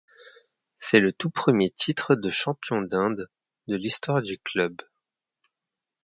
C'est le tout premier titre de champion d'Inde de l'histoire du club.